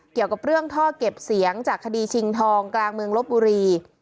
เกี่ยวกับเรื่องท่อเก็บเสียงจากคดีชิงทองกลางเมืองลบบุรี